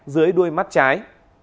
dưới đuôi mắt trái